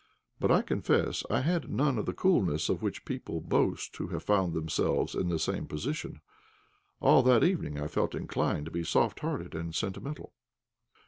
But I confess I had none of the coolness of which people boast who have found themselves in the same position. All that evening I felt inclined to be soft hearted and sentimental.